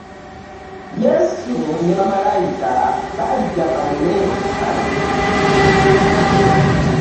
Yesu ne ba malayika balijja banone abatukuvu.